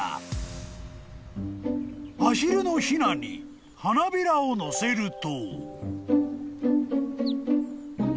［アヒルのひなに花びらを載せると］